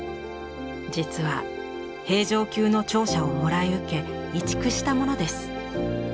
実は平城宮の庁舎をもらい受け移築したものです。